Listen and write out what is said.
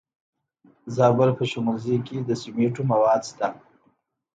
د زابل په شمولزای کې د سمنټو مواد شته.